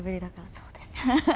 そうですね。